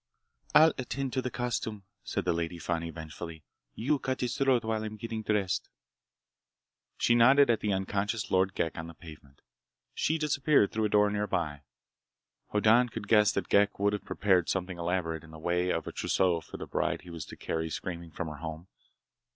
"I'll attend to the costume," said the Lady Fani vengefully. "You cut his throat while I'm getting dressed." She nodded at the unconscious Lord Ghek on the pavement. She disappeared through a door nearby. Hoddan could guess that Ghek would have prepared something elaborate in the way of a trousseau for the bride he was to carry screaming from her home.